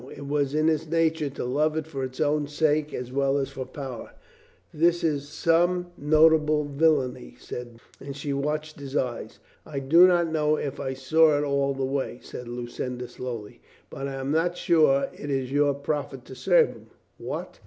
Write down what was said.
It was in his nature to love it for its own sake as well as for power. "This is some notable villainy," said he, and she watched his eyes. "I do not know if I saw it all the way," said Lu cinda slowly. "But I am not sure it is your profit to serve him." "What!